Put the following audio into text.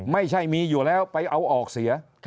ไม่ใช่มีอยู่แล้วไปเอาออกเสีย